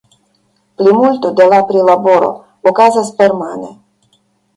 Plimulto de la prilaboro okazas permane.